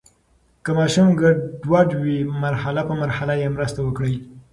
که ماشوم ګډوډ وي، مرحلې په مرحله یې مرسته وکړئ.